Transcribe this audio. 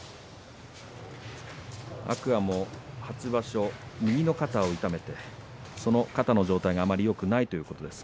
天空海、初場所右の肩を痛めてその肩の状態があまりよくないということです。